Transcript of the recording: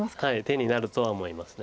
手になるとは思います。